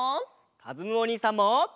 かずむおにいさんも！